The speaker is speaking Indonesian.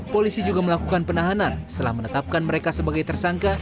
polisi juga melakukan penahanan setelah menetapkan mereka sebagai tersangka